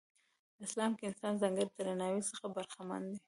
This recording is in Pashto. په اسلام کې انسان ځانګړي درناوي څخه برخمن دی.